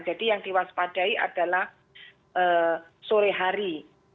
jadi yang diwaspadai adalah sore hari